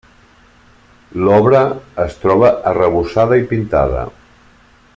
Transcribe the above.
L'obra es troba arrebossada i pintada.